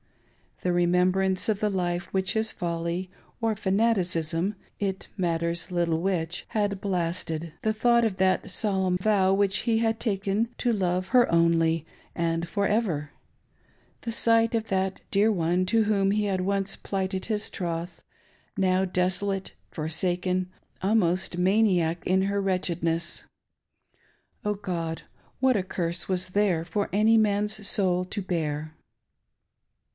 The remembrance of the life which his folly or fanaticism — it matters little which — had blasted ; the thought of that solemn vow which he had taken to love her only and for ever ; the sight of that dear one to whom he had once plighted his troth, nciw desolate, forsaken, almost inaniac in her wretchedness. — Oh God ! what a curse was there for any man's soul to bear